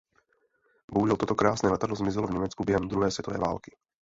Bohužel toto krásné letadlo zmizelo v Německu během druhé světové války.